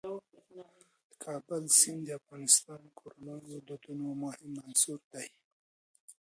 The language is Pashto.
د کابل سیند د افغان کورنیو د دودونو مهم عنصر دی.